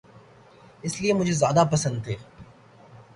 اسی لیے مجھے زیادہ پسند تھے۔